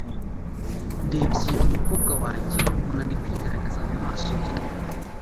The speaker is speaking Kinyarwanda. Ndebye umukobwa wanjye mbona ndi kwigaragaza mumaso ye